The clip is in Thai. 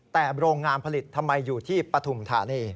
แต่โรงงานผลิตทำไมอยู่ที่ปฐุมธานี